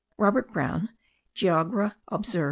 Robert Brown, Geogr. Observ.